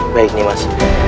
baik nih mas